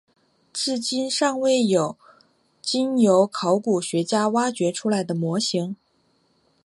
至今尚未有经由考古学家挖掘出来的模型。